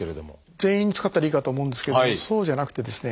全員に使ったらいいかと思うんですけどもそうじゃなくてですね